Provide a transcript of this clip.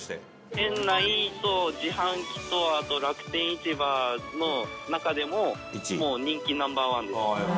「店内と自販機とあと楽天市場の中でも人気ナンバーワンですね」